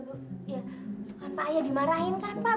itu kan pak ayah dimarahin kan pak